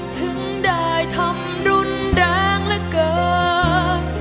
ถึงได้ทำรุนแรงและเกิด